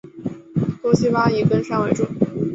多希巴以垦山为生。